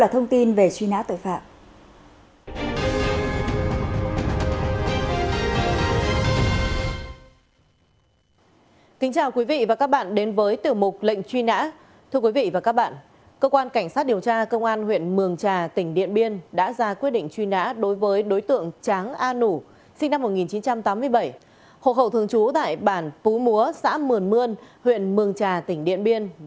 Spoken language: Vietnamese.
tiếp theo là thông tin về truy nã tội phạm